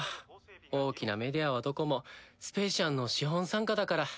大きなメディアはどこもスペーシアンの資本傘下だから。